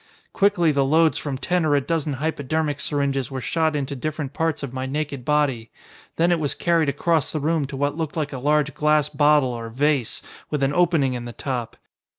"Quickly the loads from ten or a dozen hypodermic syringes were shot into different parts of my naked body. Then it was carried across the room to what looked like a large glass bottle, or vase, with an opening in the top.